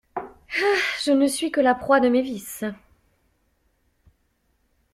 Je ne suis que la proie de mes vices!